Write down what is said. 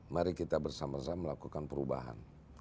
mari kita bersama sama melakukan perubahan